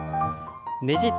ねじって。